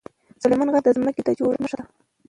سلیمان غر د ځمکې د جوړښت نښه ده.